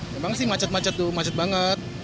memang sih macet macet tuh macet banget